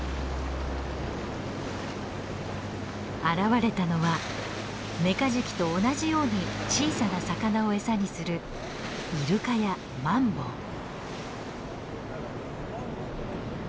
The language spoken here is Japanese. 現れたのはメカジキと同じように小さな魚を餌にするイルカやマンボウ。